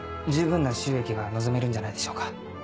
十分な収益が望めるんじゃないでしょうか。